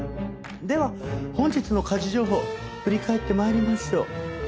では本日の家事情報振り返って参りましょう。